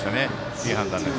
いい判断です。